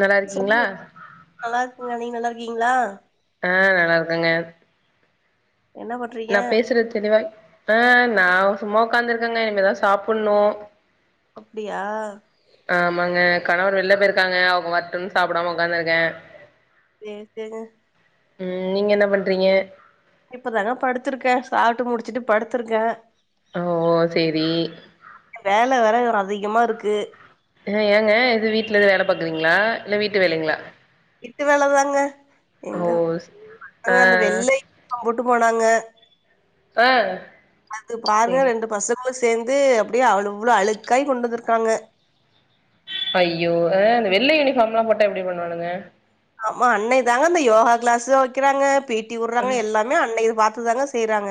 நல்லா சொல்லுங்க இருக்கீங்ளா நல்லா இருக்கங்க நீங்க நல்லா இருக்கீங்ளா ஆ நல்லா இருக்கங்க என்ன பண் நா பேசுறது தெளிவா ஆ நா சும்மா உக்காந்துருக்கேங்க இனிமேதா சாப்பின்னு அப்டியா ஆமாங்க கணவர் வெளில போய்ருக்காங்க அவுங்க வரட்டுன்னு சாப்பிடாம உட்காந்துருக்கே சேர் செரிங்க ம் நீங்க என்ன பண்றீங்க இப்பதாங்க படுத்திருக்கே சாப்ட்டு முடிச்சுட்டு படுத்திருக்கே ஓ செரி வேல வேற இங்கன அதிகமா இருக்கு அ ஏங்க இது வீட்ல எது வேல பாக்குரிங்ளா இல்ல வீட்டு வேலைங்ளா வீட்டு வேல தாங்க எங்க ஓ ஸ் ஆ பசங்க அந்த வெள்ளை அ கூட்டு போனாங்க ஆ அது பாருங்க சேரி ரெண்டு பசங் களோ சேந்து அப்டியே அவ்ளோ அழுக்காய் கொண்டு வந்துருக்காங்க ஐயோ அ அந்த வெள்ள யூனிஃபார்ம்லா போட்டா எப்டி பண்ணுவானுங்க ஆமா அன்னைக்தாங்க அந்த யோகா க்ளாஸ்லா வைக்கிறாங்க பீடி உட்றாங்க எல்லாத் மே அன்னைக்கு பாத்துதாங்க செய்றாங்க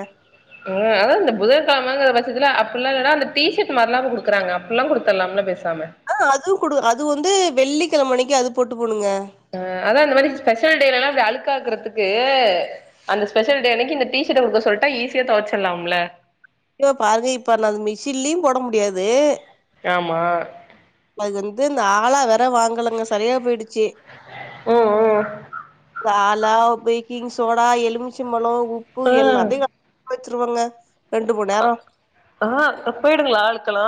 ம் அதா இந்த புதன் கெழமைங்குற பட்சத்துல அப்புல்லா இல்லன்னா அந்த டீஷர்ட் மாரிலா குடுக்குறாங்க அப்புல்லா குத்துர்லாம்ல பேசாம அ அதுவு குடு அது வந்து வெள்ளிக்கெழமை அன்னிக்கு அது போட்டுப் போணுங்க அ அதா அந்த மாரி ஸ்பெஷல் டேலெல்லா இப்டி அழுக்காக்குறதுக்கு அந்த ஸ்பெஷல் டே அன்னைக்கி இந்த டீஷர்ட் குடுக்க சொல்ட்டா ஈஸியா தொவச்சுர்லாம்ல ஐயோ பாருங்க இப்ப நா அந்த மிஷின்லயு போட முடியாது ஏமா அது வந்து இந்த ஆலா வேர த்த வாங்கலங்க சரியா போயிடுச்சு ம் இந்த ஆலா போய் க்கிங் சோடா எலுமிச்சிம்பழோ உப்பு ம் எல்லாத்தையு கலந்து வச்சுருவங்க ஆ போயிடுங்களா அழுக்கலா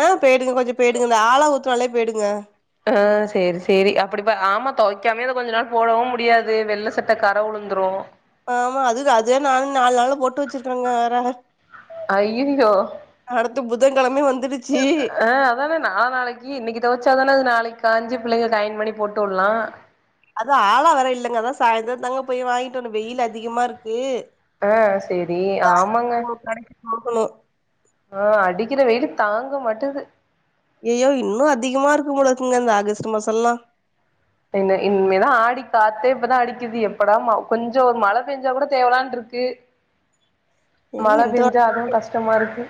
ஆ போய்டுங்க கொஞ்ச போய்டுங்க இந்த ஆலா ஊத்துனாலே போய்டுங்க ஆ செரி செரி அப்டிபுப் பா ஆமா தொவைக்காமயே அத கொஞ்ச நாள் போடவு முடியாது வெள்ள சட்டை கற உளுந்துரு ஆமா அது அதுவே நானு நாலு நாளா போட்டு வெச்சிருக்குறேங்க வேற ஐய்யய்யோ அடுத்து புதன்கெழமையு வந்துருச் ஆ அத் அதானே நா நாளைக்கி இன்னைக்கு தொவச்சாதான அது நாளைக்கு காஞ்சு புள்ளைங்களுக்கு ஐயன் பண்ணி போட்டு வுட்லா அதுவு ஆலா வேற இல்லைங்க அதா சாய்ந்தரந் தாங்க போய் வாங்கிட்டு வரனு வெயில் அதிகமா இருக்கு ஆ செரி ஆமாங்க பாக்கணு ஆ அடிக்கிற வெயிலுக் தாங்க மாட்டுது ஐயையோ இன்னு அதிகமா இருக்கு போலருக்குங்க இந்த ஆகஸ்ட் மாசல்லா என்ன இன்மேதா ஆடி காத்தே இப்பதா அடிக்குது எப்படா மா கொஞ்சோ ஒரு மழ பெஞ்சா கூட தேவலான்ட்ருக்கு எங்க மழ இந்த பெஞ்சா அதுவு கஷ்டமா இருக்கு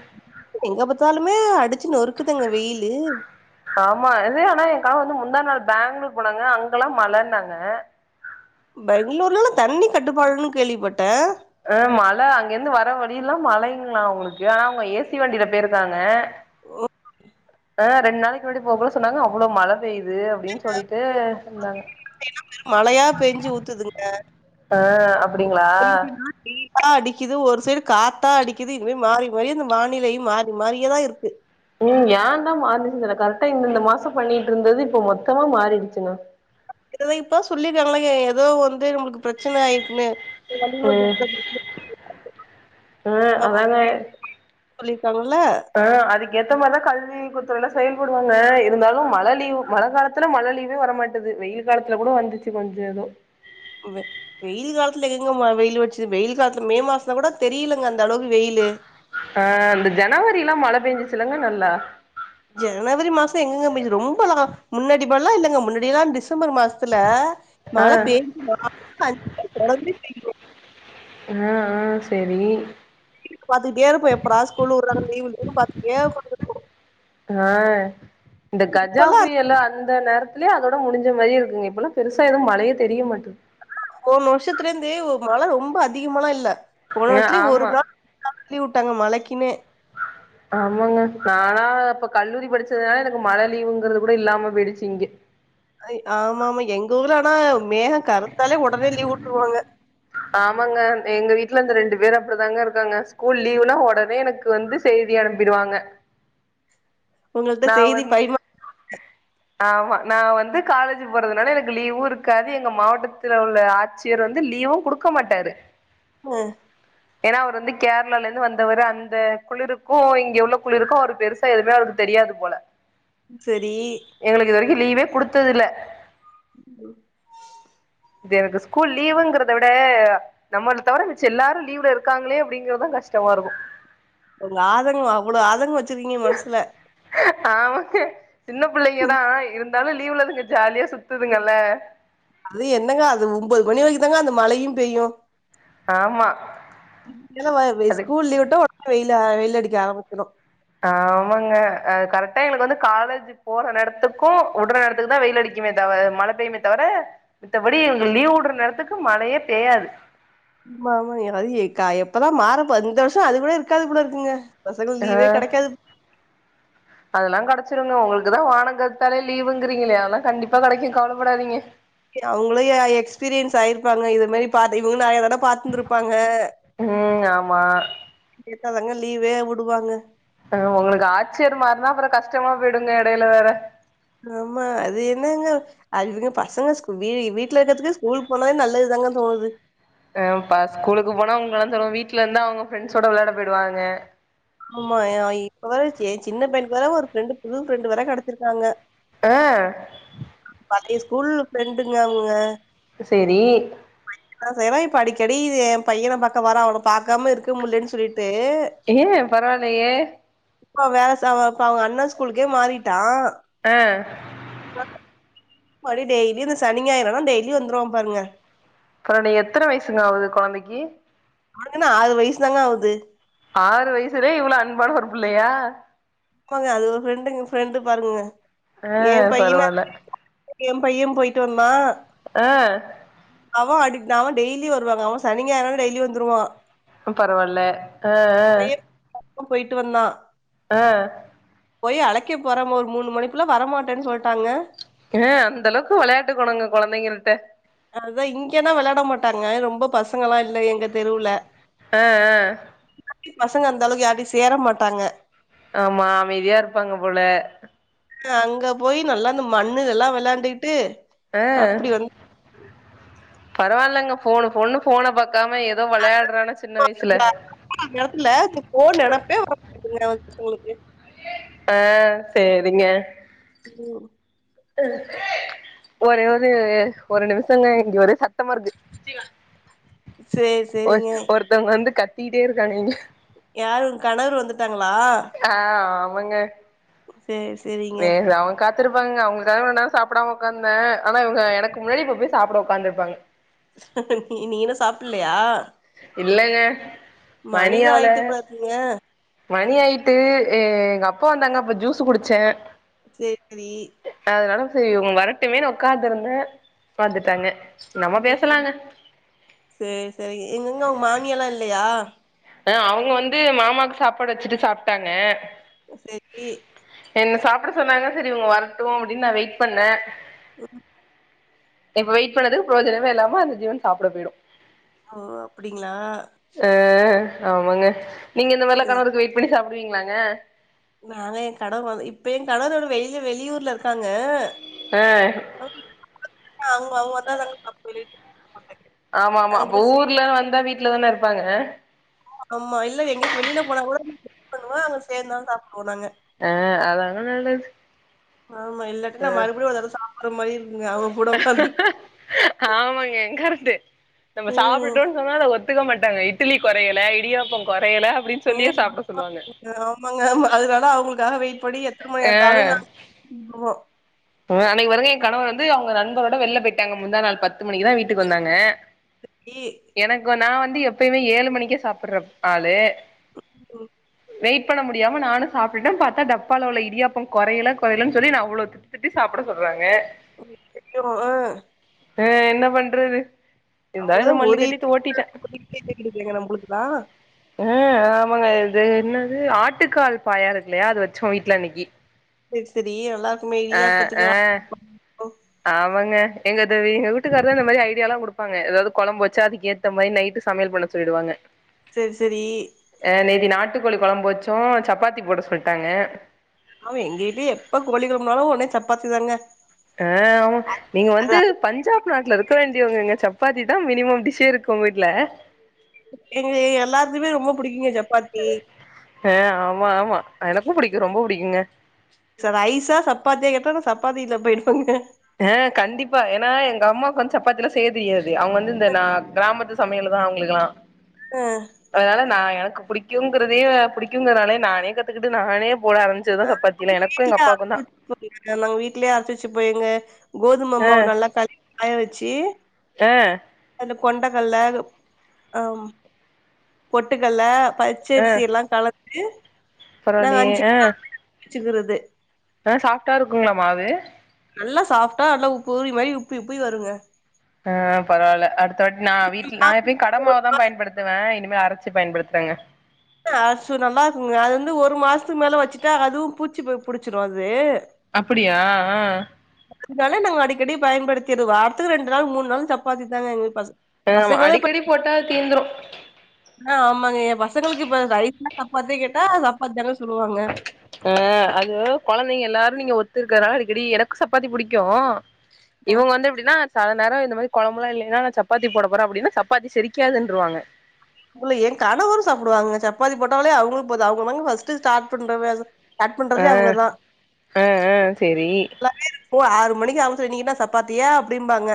எங்க பாத்தாலுமே அடிச்சு நொறுக்குதுங்க வெயிலு ஆமா இது ஆனா என் கணவர் வந்து முந்தா நாள் பெங்களூர் போனாங்க அங்கல்லா மழன்னாங்க பெங்களூர்லெல்லா தண்ணி கட்டுப்பாடுன்னு கேள்விப்பட்டே அ மழ அங்க இருந்து வர வழியெல்லா மழைங்களா அவுங்களுக்கு ஆனா அவுங்க ஏசி வண்டியில பேயிருக்காங்க ஆ ரெண்டு நாளைக்கு முன்னாடி போக்கூட சொன்னாங்க அவ்ளோ மழ பெய்து அப்டின்னு சொல்லிட்டு இருந்தாங்க ஞ்சு ஊத்துங் க ஆ அப்டிங்களா ஹுட்டா அடிக்கிது ஒரு சைடு காத்தா அடிக்கிது இதுவே மாறி மாறி அந்த வானிலையு மாறி மாறியேதா இருக்கு ம் ஏந்தா மாற்னுச்சுன் தெர்ல கரெக்டா இந்தெந்த மாசம் பண்ணிட்ருந்தது இப்ப மொத்தமா மாறிடுச்சுங்க இததா இப்போ சொல்லியிருக்காலங்க எதோ வந்து நம்மளுக்கு ப்ரச்சன ஆயிருக்குன்னு இது ம் வளிமண்டலத்த ஆ [inaudible] அதாங்க சொல்லியிருக்காங்கல்ல ஆ அதுக்கு ஏத்த மாரிதா கல்வித் துறையெல்லா செயல்படுவாங்க இருந்தாலு மழ லீவு மழ காலத்துல மழை லீவே வர மாட் டது வெயில் காலத்துல கூட வந்துச்சு கொஞ்சோ எதோ [unintelligible] வெயில் காலத்துல எங்கெங்க ம வெயில் அடிச்சுது வெயில் காலத்துல மே மாசல கூட தெரியலங்க அந்த அளவுக்கு வெயிலு ஆ இந்த ஜனவரி எல்லா மழ பேஞ்சுச்சில்லங்க நல்லா ஜனவரி மாச எங்கெங்க ரொம்பலா முன்னடி மாரி இல்லங்க முன்னாடி எல்லா டிசம்பர் மாச த்துல ஆ மழ [inaudible] ஆ ஆ செரி டி வி லபாத்துட்டே இருப்ப எப்படா ஸ்கூல் விட்வாங்க லீவு பாத்துட்டே இருப்போ ஆ இந்த கஜா இப்பல்லா அது புயலு அந் ந்த நேரத்துலயே அதோட முடிஞ்ச மாரியே இருக்குங்க இப்பல்லா பெருசா எதுவு மழையே தெரிய மாட்டேது போன வருஷத்துல இருந்தே மழ ரொம்ப அதிகமால்லா இல்ல போன ஆ வருஷத்துலயே ஒரு ஆமா நாள் [inaudible] விட்டாங்க மழைக்கின்னே ஆ ஆமாங்க நானா இப்ப கல்லூரி படிச்சதுனால எனக்கு மழ லீவுங்கறது கூட இல்லாம போயிடுச்சு இங்க ஆமா ஆமா எங்க ஊர்ல ஆனா மேக கரு எல்ல [unintelligible] ஆமாங்க எங்க வீட்ல இந்த ரெண்டு பேர் அப்பிடிதாங்க இருக்காங்க ஸ்கூல் லீவுனா ஒடனே எனக்கு வந்து செய்தி அனுப்பிருவாங்க உங்கள்ட்ட நா செய்தி வந்து பரிமாறுன ஆமா நா வந்து காலேஜ் போறதுனால எனக்கு லீவு இருக் க்காது எங்க மாவட்டத்துல உள்ள ஆட்சியரு வந்து லீவு குடுக்க மாட்டாரு ஆ ஏன்னா அவரு வந்து கேரளாலால இருந்து வந்தவரு அந்த குளிருக்கு இங்க உள்ள குளிருக்கு அவரு பெருசா எதுமே அவருக்கு தெரியாது போல செரி எங்களுக்கு இது வரைக்கு லீவே குடுத்தது இல்ல ம் இது எனக்கு ஸ்கூல் லீவுங்கறத விட நம்மள தவிர மிச்ச எல்லாரு லீவ்ல இருக்காங்களே அப்டிங்கறதா கஷ்டமா இருக்கு உங்க ஆதங்கோ அவ்ளோ ஆதங்கோ வெச்சிருக்கீங்க மனசுக்குல்ல ஆமாங்க சின்ன புள்ளைங்கதா இருந்தாலு லீவுல அதுங்க ஜாலியா சுத்துதுங்கல்ல அது என்னங்க அது ஒன்போது மணி வைக்கு தாங்க அந்த மழையு பெய்யு ஆமா அது ஸ்கூல் லீவுட்ட ஒடனே வெய வெயில் அடிக்க ஆரம்பிச்சிரு ஆமாங்க அது கரெக்டா எங்களுக்கு வந்து காலேஜ் போற நேரத்துக்கு விட்ற நேரத்துக்கு தா வெயில் அடிக்குமே தவிர மழ பெய்யுமே தவிர மத்தபடி எங்களுக்கு லீவ் விட்ற நேரத்துக்கு மழையே பெய்யாது ஆமா ஆமா அதுக்கா எப்பதா மாறப்பா இந்த வருஷ அது கூட இருக்காது கூட இருக்குங்க பசங்கங்கள் ஆ லீவே கெடைக்கா அதெல்லா கெடச்சிருங்க உங்களுக்குதா வானோ கருத்தாலே லீவுங்கிறீங்களே அதல்லா கண்டிப்பா கெடைக்கு கவலைப்படாதீங்க அவங்களு எக்ஸ்பீரியன்ஸ் ஆயிருப்பாங்க இது மாரி பாத் இவங்களு நெறைய தடவ பாத்து இருந்துருப்பாங்க ம் ஆமா கேட்டாதாங்க லீவே விடுவாங்க ஆ உங்களுக்கு ஆச்சியர் மார்னா அப்றோ கஷ்டமா போயிடுங்க எடையில வேற ஆமா அது என்னங்க அதுங்குக பசங்க ஸ்கூ வீ வீட்ல இருக்கிறதுக்கு ஸ்கூல் போனாலே நல்லது தாங்க தோனுது ஆ பார் ஸ்கூலுக்கு போனா உங்களந் தெலவ் வீட்டுல இருந்தா அவங்க ஃப்ரெண்ட்ஸ் ஸோட விளையாட போய்டு வாங்க ஆமா அ இப்ப வேற ஜெய் சின்ன பையன்கு வேற ஒரு ஃப்ரெண்டு புது ஃப்ரெண்டு வேர கெடச்சிருக்காங்க ஆ ஐயோ ஸ்கூல்ல ஃப்ரெண்டுங்க அவெங்க இது செரி அதெ இவெ இப்ப அடிக்கடி என் பையனை பாக்க வரா அவன பாக்காம இருக்க முட்லன்னு சொல்லிட்டு ஏங்க பரவாயில்லயே இப்ப வேற சவ அவ இப்ப அவெ அண்ணோ ஸ்கூலுக்கே மாறிட்டா ஆ புலக் மரூ டெய்லியூ இந்த சனிநாயிறு ஆனா டெய்லியூ வந்துருவா பாருங்க அவென்டுயே எத்தன வயசுங்க ஆவது குழந்தைக்கி அவூக்கென்ன ஆறு வயசு தாங்க ஆவுது ஆறு வயசுலே இவ்ளோ அன்பான ஒரு புள்ளயா கொஞ்சொ அது ஒரு ஃப்ரெண்டுங்க ஃப்ரெண்டு பாருங்க ஆ ஏ பையன பரவால்ல ஏ பையே போயிட்டு வந்தா ஆ அவன் அடிக்டு அவே டெய்லியூ வருவாங்க அவன் சனி ஞாயிறு டெய்லியூ வந்துருவா பரவால்ல ஆ ஆ அப்ப போயிட்டு வந்தா ஆ போய் அழைக்க போறோ ஒரு மூணு மணிக்குள்ள வர மாட்டே சொல்ட்டாங்க ஆ அந்த அளவுக்கு வெளான்ட்டுக்கணுங்க குழந்தைங்களிட்ட அவெ இங்கதா விளையாட மாட்டாங்க ரொம்ப பசங்களா இல்ல எங்க தெருவுல ஆ ஆ அப்டியூ பசங்க அந்த அளவுக்கு யாருகிட்டயூ சேர மாட்டாங்க ஆமா அமைதியா இருப்பாங் போல அங்க போய் நல்லா இந்த மண்ணு இதெல்லா வெளாண்டிட்டு ஆ பரவாயில்ங்க ஃபோனு பொண்ணு போன பாக்காம எத் அதோ விளையாட்றேனா சின்ன வயசுல அந்த அர இந்த ‌எடத்துல ஃபோன் நெனப்பே வர மாட்டேங்குதுங்க உங்களுக்கு ஆ செரிங்க ம் ஒரே ஒரு ஒரு நிமிஷங்க இங்க ஒரே சத்தமா இருக்கு சேரி ஒர் சேரிங்க ஒருத்தவங்க வந்து கத்திட்டே இருக்காங்க இங்க யாருங் உங் கணவர் வந்துட்டாங்களா ஆ அவங்க சேரி சேரிங்க வேற அவங்க கத் வந்திருப்பாங்க அவுங்களுக்காக சாப்பிடாம உக்கார்ந்தே ஆனா இங்க எனக்கு முன்னாடி இப்ப போய் சாப்பிட உக்காத்துருப்பாங்க நீ நீ இன்னீயூ சாப்பிட்லியா இல்லங்க மணி ஆவல ஆயிட்டு போல இருக்கீங்க மணி ஆயிட் ட்ச்சி எங்க அப்பா வந்தாங்க அப்ப ஜூஸ் குடிச்சே சே ரீ அதனால சரி இவங்க வரட்டுமே உக்காந்திருந்தே வந்துட்டாங்க நம்ம ம் ம் பேசலாங்க சேரி சேரி எங்கங்க உங்க மாமியாலா இல்லையா ஆ அவங்க வந்து மாமாக்கு சாப்பாடு வச்சுட்டு சாப்ட்டாங்க சேரி என்ன சாப்ட சொன்னாங்க சேரி இவங்க வரட்டு அப்டின்னு நா வெயிட் பண்ண ம் இப்ப வெயிட் பண்ணதுக்கு பிரோஜனமே இல்லாம அந்த ஜீவன் சாப்ட போயிடு ஓ அப்பிடிங்ளா அ ஆமாங்க நீங்க இந்த மாரிலா சரி கணவருக்கு வெயிட் பண்ணி சாப்டுவீங்களாங்க நாங்க எங் கணவர் வந்து இப்ப எங் கணவர் வந்து வெளிய வெளியூர்ல இருக்காங்க அ [inaudible] அ அவுங்க அவுங்க வந்தாதாங்க சாப்டுவ [inaudible] ஆமா ஆமா அப்ப ஊர்ல வந்தா வீட்லதான இருப்பாங்க ஆமா இல்ல எங்கயாச்சு வெளியில போனா கூட நா வெயிட் பண்ணுவ அவங்க சேந்துதா சாப்டுவோ நாங்க அ அதாங்க நல்லது ஆமா இல்லாட்டி நா மறுபடியு ஒரு தடவ சாப்புட்ற மாரி இருக்குங்க அவுங்க கூட ஒக்காந்து ஆமாங்க எங்கருந்து நம்ப சாப் ம் ட்டுட்டோ சொன்னா அத ஒத்துக்க மாட்டங்க இட்டிலி கொறையல இடியாப்போ கொறையல அப்டின்னு சொல்லியே ம் சாப்ட சொல்லுவாங்க ஆமாங்க ஆமாங்க ஆமா அதனால அவங்களுக்காக வெயிட் பண்ணி எத்தன மணியா இருந்தாலு நா ப்டுவோ ம், அன்னைக்கு பாருங்க எ கணவர் வந்து அவுங்க நண்பரோட வெளில போயிட்டாங்க முந்தா நாள் பத்து மணிக்குதா வீட்டுக்கு வந்தாங்க சேரி எனக்கு நா வந்து எப்பயுமே ஏழு மணிக்கே சாப்புட்ற ஆளு ம், ம் வெயிட் பண்ண முடியாம நானு சாப்ட்டுட்ட பாத்தா டப்பால உள்ள இடியாப்போ கொறையல கொறையலன்னு சொல்லி என்ன அவ்ளோ திட் டி சாப்ட சொல்றாங்க அவங்களுக்கு தெரியு அ என்ன பண்றது இருந்தாலு நம்பளுக்குதா இத மல்லு ஒரு கட்டிட்டு ஓட்டிட்டே இட்லி [inaudible] நம்பளுக்குதா அ ஆமாங்க இது என்னது ஆட்டுக்கால் பாயா இருக்குல்லையா அது வச்சோ வீட்ல அன்னைக்கி சேரி சேரி நல்லாருக்குமே இடியாப்பத்துக்கு ஆ ஆமாங்க எங்கது எங்க வீட்டுக்காருதா இந்த மாரி ஐடியா எல்லா குடுப்பாங்க ஏதாவது கொழம்பு வச்சா அதுக்கே ந்த மாரி நைட்டு சமையல் பண்ண சொல்லிடுவாங்க சேரி சேரி அ நேத்தி நாட்டுக்கோழி கொழம்பு வச்சோ சப்பாத்தி போட சொல்லிட்டாங்க ஆமா எங்ககிட்டயு எப்ப கோழிக்கொழம்புனாலு உடனே சப்பாத்தி தாங்க அ ஆமா நீங்க வந்து அது பஞ்சாப் நாட்லருக் க வேண்டியவங்கங்க சப்பாத்திதா மினிமம் டிஷ்ஷே இருக்கு ஒங்க வீட்ல எங்க எல்லாத்துக்குமே ரொம்ப புடிக்குங்க சப்பாத்தி அ ஆமா ஆமா எனக்கு புடிக்கு ரொம்ப புடிக்குங்க ச ரைசா சப்பாத்தியா கேட்டா நா சப்பாத்தில போய்டுவாங்க ஆ கண்டிப்பா ஏன்னா எங்க அம்மாக்கு வந்து சப்பாத்திலா செய்ய தெரியாது அவங்க வந்து இந்த நா கிராமத்து சமையலதா அவங்களுக்குலா [inaudible] ஆ அதனால நா எனக்கு புடிக்குங்கறதே புடிக்குங்கறதனாலே நானே கத்துக்கிட்டு நானே போட ஆரம்பிச் சதுதா சப்பாத்திலா எனக்கும் எங்க வீட்லயே அப்பாவுக்குந்தா அரைச்சு [inaudible] நாங்க வீட்லே அர்ச்சு வச்சு போய்யிங்க கோதும ஆ மாவு நல்லா கத் காய வச்சி ஆ அது கொண்டகல்ல அதூ அம் பொட்டுகல்ல ஆ பச்சரிசி எல்லா கலக்கு நாங்க பரவாயில்லையே அஞ்சி ஆ [inaudible] ச்சுக்குறுது ஆ சாஃப்ட்டா இருக்குங்ளா மாவு நல்லா சாஃப்ட்டா நல்லா உப் பூறி மாரி உப்பி உப்பி வருங்க ஆ பரவால்ல அடுத்த வாட் நா வீட்டில் நா எப்பயு கடமாவு தா பயன்படுத் த்துவே இனிமே அரச்சி பயன்படுத்துறங்க அ ஷு நமாஸ் மு அது வந்து ஒரு மாஸ்த்து மேல வச்சிட்டா அதுவு பூச்சி பெ புடிச்சிரு அதே அப்படியா ஆ இதாலே நாங் அடிக்கடி பயன்படுத்திரு வார்த்துக்கு ரெண்டு நாள் மூண் நாள் சப்பாத்தி தாங்க எங்கள் பஸ் அ மா அடிக்கடி போட்டா தீந்துரு ஆ ஆமாங்க எ பசங்கள்க் இப்ப ரைஸ்னா சப்பாத்தி கேட்டா சப்பாத்தி தான சொல்லுவாங்க ஆ அது கொழந்தைங்க எல்லாரு நீங்க ஒத்துர்க்கரா அடிக்கடி எனக் சப்பாத்தி புடிக்கு அ இவங்க வந்து எப்டின்னாத் சா அது நேரு இந்த மாரி கொழம்புல்ல இல்லைன்னா நா சப்பாத்தி போட போறே அப்டின்னு சப்பாத்தி செரிக்காதுன்றுவாங்க உள்ளு ஏ கணவரு சாப்டுவாங்க சப்பாத்தி போட்டவ்லே அவ்ங்ளு பொத் அவ்ங்க வந்து ஸ்டாட் பண்ற வேகு கட் ஆ பண்றதே அவங்கதா ஆ ஆ சேரி லல்லேரு ஓ ஆறு மணிக்கி அம்ச்சு நீங்கன்னா சப்பாத்தியா அப்டிம்பாங்க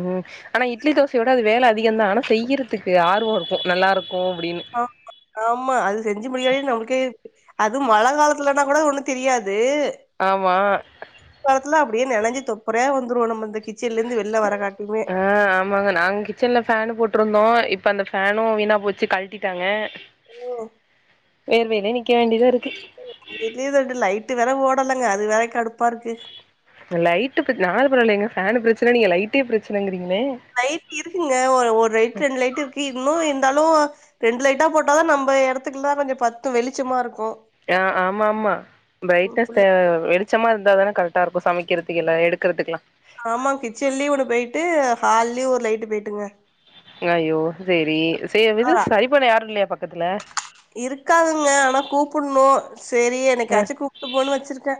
உம் ஆனா இட்லி தோசையோட அது வேல அதிகன்தா ஆனா செய்யிறத்துக்கு ஆர்வோ ருக்கு நல்லாருக்கு அப்டின்னு ஆமா ஆமா அது செஞ்சு முடியயே நம்ளுக்கே அது மழ காலத்துலனா கூட ஒண்ணு தெரியாது ஆமா காலத்துல அப்புடே நெனஞ்சி தொப்பறையா வந்துரு நம்மந்து கிச் ஆ ஆம் ஆமாங்க நாங் கிச்சனல ஃபேனு போட்ருந்தோ இப் அந்த ஃபேனு வீணா போச்சு கழ்ட்டிட்டாங்க ம். வேர்வைனே நிக்க வேண்டிய்தா இருக்கு இட்லி தட்டு லைட்டு வேற ஓடலங்க அது வேற கடுப்பாருக்கு லைட்டுக்கு நாலு பரவாலைங்க ஃபேனு ப்ரச்சன நீங்க லைட்டே ப்ரச்சனங்கிறீங்ளே லைட் இருக்குங்க ஓரு ஒர் லைட் ரெண்டு லைட் இருக்கு இன்னு இருந்தாலு ரெண்டு லைட்டா போட்டாதா நம்ப எடத்துக்குல்லா கொஞ்சு பத்து வெளிச்சமா ருக்கு யா ஆமம்மா பைடஸ்ட்டா எடு ச்சமா இருந்தா தானே கரட்டாருக்கு சமைக்கிறத்துக்குல்லா எடுக்குறத்துக்லா ஆமா கிச்சன்லியு ஒண்ணு போய்ட்டு ஹால்யு ஒரு லைட்டு போய்ட்டுங்க அயோ செரி சேவ் ஆ, இது சரிப்பன யாரு இல்லையா பக்கத்துல இருக்காதுங்க ஆனா கூப்புண்ணு செரி என்னைக்காச்சு கூப்ட்டு போனு வச்சிர்க்கே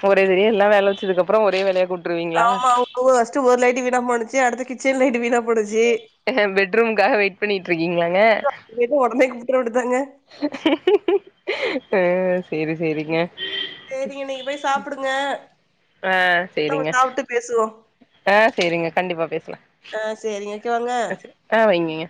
ஃபோரே சரி எல்லா வேல வச்சதுக்கப்றோ ஒரே வேலையா கூட் ஆமா அவ்க்கு வஸ்ட்டு ஒர் லைட்டு விணம் மோனிச்சு அடுத்து கிச்சன் லைட்டு வீணப் பெட்ரூம்காஹ வெய்ட் பண்ணிட்ருக்கீங்ளாங்க எது ஒடனே கூட்ரோட்டு தாங்க அ அஸ் செரி செரிங்க சரிங்க நீங்க போய் சாப்புடுங்க ஆ நம்ம செரிங்க சாப்ட்டு பேசுவோம் ஆ செரிங்க கண்டிப்பா பேஸ்லா ஆ சரிங்க ஓகேவாங்க ஆச்சு ஆ வைங்கீய